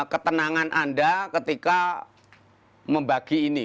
ketenangan anda ketika membagi ini